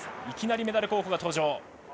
いきなりメダル候補が登場。